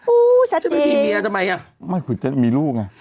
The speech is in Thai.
อู้ชัดเองไม่คุยเต้นมีลูกไง